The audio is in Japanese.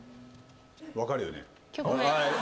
分かるよね？